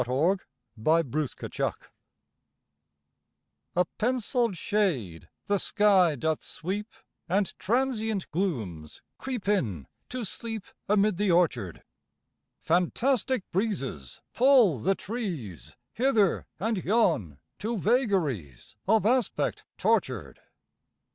By George Parsons Lathrop A penciled shade the sky doth sweep, And transient glooms creep in to sleep Amid the orchard; Fantastic breezes pull the trees Hither and yon, to vagaries Of aspect tortured.